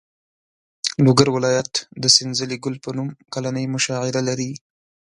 لوګر ولایت د سنځلې ګل په نوم کلنۍ مشاعره لري.